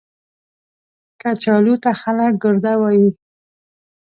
کچالو ته خلک ګرده وايي